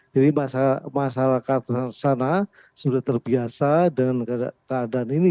jadi masyarakat sana sudah terbiasa dengan keadaan ini